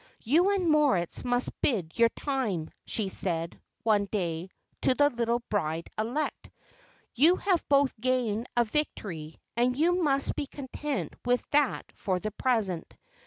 "You and Moritz must bide your time," she said, one day, to the little bride elect; "you have both gained a victory, and you must be content with that for the present.